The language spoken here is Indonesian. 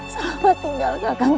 selamat tinggal kakak